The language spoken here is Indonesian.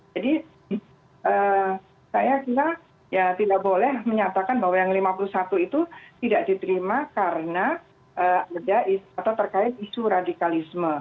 jadi saya kira ya tidak boleh menyatakan bahwa yang lima puluh satu itu tidak diterima karena berkait isu radikalisme